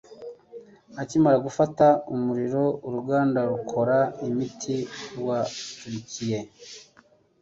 Akimara gufata umuriro, uruganda rukora imiti rwaturikiye.